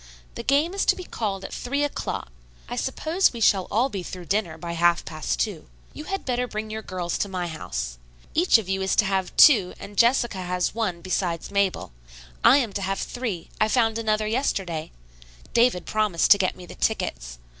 "The game is to be called at three o'clock. I suppose we shall all be through dinner by half past two. You had better bring your girls to my house. Each of you is to have two and Jessica has one besides Mabel. I am to have three; I found another yesterday. David promised to get me the tickets.